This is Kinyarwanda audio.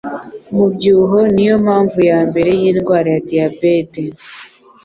Umubyibuho ni yo mpamvu ya mbere y'indwara ya diyabete